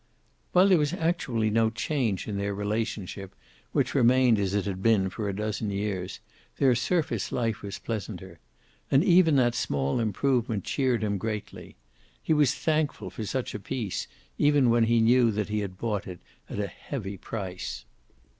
While there was actually no change in their relationship, which remained as it had been for a dozen years, their surface life was pleasanter. And even that small improvement cheered him greatly. He was thankful for such a peace, even when he knew that he had bought it at a heavy price.